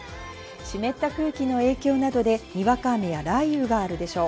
湿った空気の影響などでにわか雨や雷雨があるでしょう。